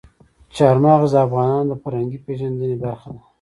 چار مغز د افغانانو د فرهنګي پیژندنې برخه ده.